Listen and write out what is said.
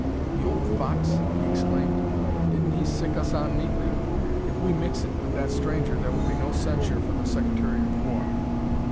"The old fox!" he exclaimed. "Didn't he 'sic us on' neatly? If we mix it with that stranger there will be no censure from the Secretary of War."